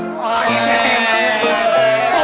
oh ini memang